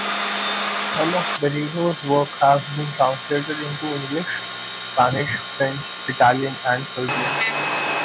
Some of Barreiros's work has been translated into English, Spanish, French, Italian and Serbian.